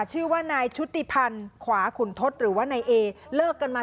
ชื่อว่านายชุติพันธ์ขวาขุนทศหรือว่านายเอเลิกกันมา